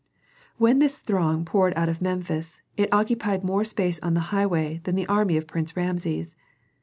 When this throng poured out of Memphis, it occupied more space on the highway than the army of Prince Rameses.